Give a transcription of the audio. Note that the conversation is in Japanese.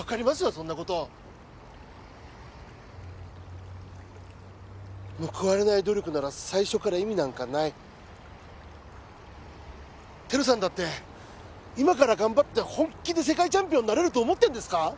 そんなこと報われない努力なら最初から意味なんかないテルさんだって今から頑張って本気で世界チャンピオンになれると思ってんですか？